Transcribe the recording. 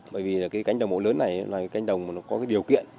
bởi vì cánh đồng mẫu lớn này là cánh đồng có điều kiện